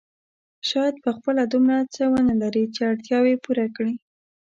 شاید په خپله دومره څه ونه لري چې اړتیاوې پوره کړي.